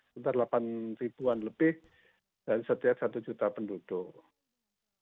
sekitar delapan ribuan lebih dari setiap satu juta penduduk